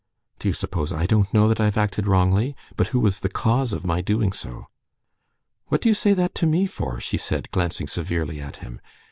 "Do you suppose I don't know that I've acted wrongly? But who was the cause of my doing so?" "What do you say that to me for?" she said, glancing severely at him.